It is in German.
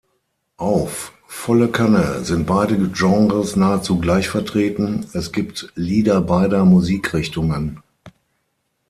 Auf "Volle Kanne" sind beide Genres nahezu gleich vertreten, es gibt Lieder beider Musikrichtungen.